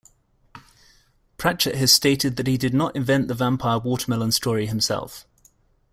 Pratchett has stated that he did not invent the vampire watermelon story himself.